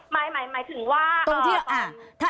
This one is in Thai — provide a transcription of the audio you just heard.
ค่ะหมายถึงว่า